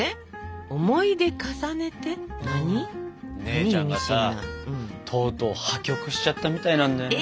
姉ちゃんがさとうとう破局しちゃったみたいなんだよね。